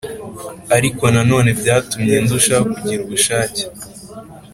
ariko nanone byatumye ndushaho kugira ubushake